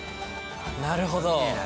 なるほど。